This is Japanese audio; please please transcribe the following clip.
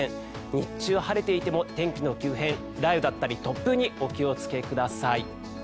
日中、晴れていても天気の急変雷雨、突風にお気をつけください。